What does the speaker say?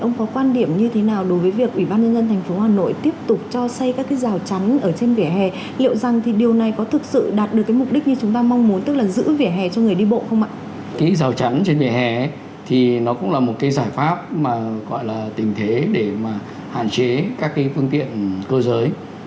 nó cũng là một cái giải pháp mà gọi là tình thế để mà hạn chế các cái phương tiện cơ giới